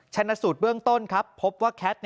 ชนสูตรเบื้องต้นพบว่าแคท